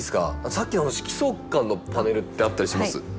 さっきの色相環のパネルってあったりします？